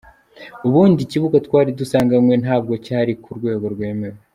Ubundi ikibuga twari dusanganywe ntabwo cyari ku rwego rwemewe.